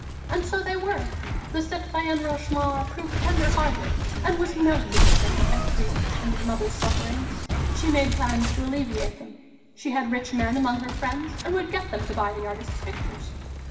And so they were; the citoyenne Rochemaure proved tender hearted and was melted to think of Évariste's and his mother's sufferings. She made plans to alleviate them; she had rich men amongst her friends and would get them to buy the artist's pictures.